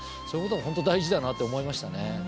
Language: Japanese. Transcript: そういうことも本当大事だなって思いましたね。